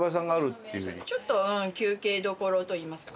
ちょっとうん休憩どころといいますか。